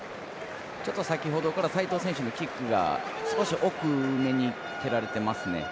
先ほどから齋藤選手のキックが奥目に蹴られてますね。